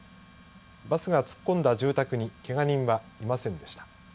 バスが突っ込んだ住宅にけが人はいませんでした。